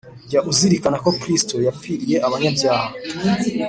jya uzirikana ko Kristo yapfiriye abanyabyaha